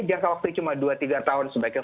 jangka waktu cuma dua tiga tahun sebaiknya